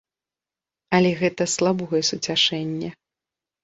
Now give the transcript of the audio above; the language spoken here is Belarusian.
Але гэта слабое суцяшэнне.